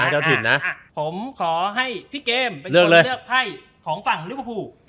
อเจมส์ผมขอให้พี่เกมเป็นคนเลือกไพ่ของฝั่งธุรกิจบ๊ะพู